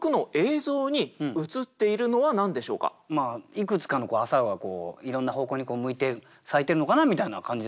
いくつかの「朝顔」がこういろんな方向に向いて咲いてるのかなみたいな感じですけどね。